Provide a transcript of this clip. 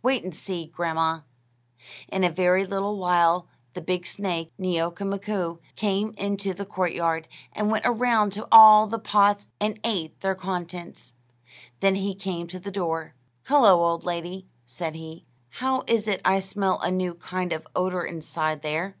Wait and see, grandma." In a very little while the big snake, Neeoka Mkoo, came into the courtyard, and went around to all the pots and ate their contents. Then he came to the door. "Hullo, old lady," said he; "how is it I smell a new kind of odor inside there?"